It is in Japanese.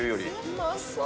うまそう！